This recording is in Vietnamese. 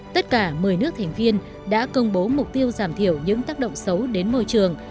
tất cả một mươi nước thành viên đã công bố mục tiêu giảm thiểu những tác động xấu đến môi trường